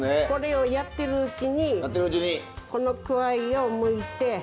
これをやってるうちにこのくわいをむいて。